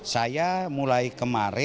saya mulai kemarin